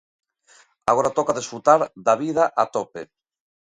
Agora toca desfrutar da vida a tope.